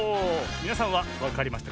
みなさんはわかりましたか？